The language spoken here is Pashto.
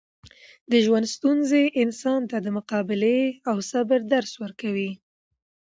د ژوند ستونزې انسان ته د مقابلې او صبر درس ورکوي.